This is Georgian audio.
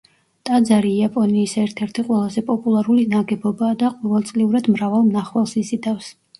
ტაძარი იაპონიის ერთ-ერთი ყველაზე პოპულარული ნაგებობაა და ყოველწლიურად მრავალ მნახველს იზიდავს.